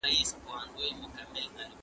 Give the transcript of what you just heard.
ښه ژوند د نکاح دوام تضمينوي.